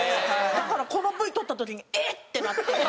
だからこのＶ撮った時に「えっ！」ってなって。